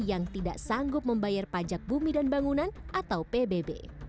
yang tidak sanggup membayar pajak bumi dan bangunan atau pbb